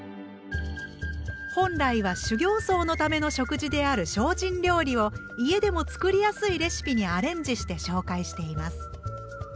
本来は修行僧のための食事である精進料理を家でも作りやすいレシピにアレンジして紹介しています。